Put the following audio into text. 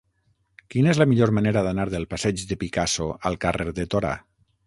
Quina és la millor manera d'anar del passeig de Picasso al carrer de Torà?